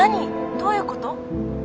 どういうこと？